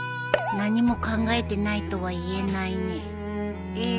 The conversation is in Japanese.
何も考えてないとは言えないねえ